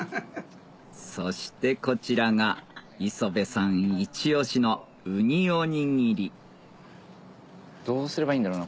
そしてこちらが磯辺さんイチオシのウニおにぎりどうすればいいんだろうな